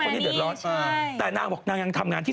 แย่ดเยอะแบบนี้